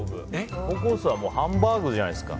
ココスはハンバーグじゃないですか。